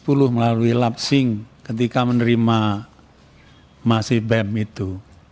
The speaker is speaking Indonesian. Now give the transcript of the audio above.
komisi sepuluh melalui lapsing ketika menerima mas ibem itu